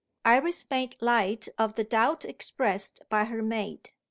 Iris made light of the doubt expressed by her maid.